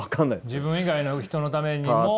自分以外の人のためにも。